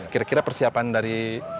kira kira persiapan dari